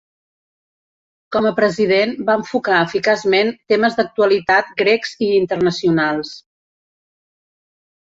Com a president va enfocar eficaçment temes d'actualitat grecs i internacionals.